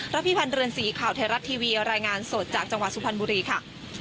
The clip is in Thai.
พิพันธ์เรือนสีข่าวไทยรัฐทีวีรายงานสดจากจังหวัดสุพรรณบุรีค่ะ